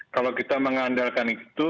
kalau kita mengandalkan itu